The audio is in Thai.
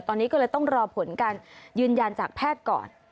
ตอนนี้ก็เลยต้องรอผลการยืนยันจากแพทย์ก่อน